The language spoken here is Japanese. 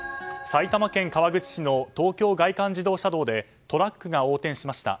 埼玉県川口市の東京外環自動車道でトラックが横転しました。